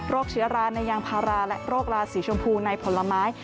เชื้อราในยางพาราและโรคราสีชมพูในผลไม้